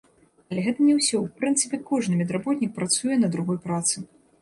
Але гэта не ўсё, у прынцыпе, кожны медработнік працуе на другой працы.